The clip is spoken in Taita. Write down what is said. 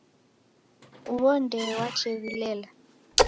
Uwo ndee wachew'ilela